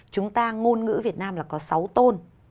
chúng ta ngôn ngữ việt nam là có sáu tôn